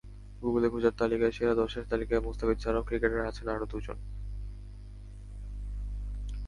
গুগলে খোঁজার তালিকায় সেরা দশের তালিকায় মুস্তাফিজ ছাড়াও ক্রিকেটার আছেন আরও দুজন।